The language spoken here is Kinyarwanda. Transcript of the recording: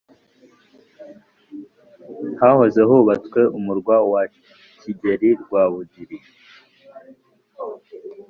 Hahoze hubatswe umurwa wa Kigeri Rwabugili.